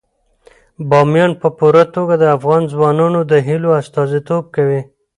بامیان په پوره توګه د افغان ځوانانو د هیلو استازیتوب کوي.